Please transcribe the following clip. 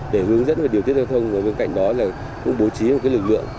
để hướng dẫn và điều tiết giao thông và bên cạnh đó là cũng bố trí một lực lượng